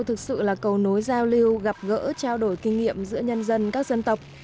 thực sự là cầu nối giao lưu gặp gỡ trao đổi kinh nghiệm giữa nhân dân các dân tộc